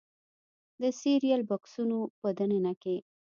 د سیریل بکسونو په دننه کې